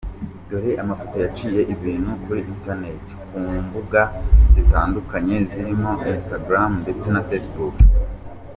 Dore amafoto yaciye ibintu kuri interinete ku mbuga zitandukanye zirimo instagram ndetse na Facebook.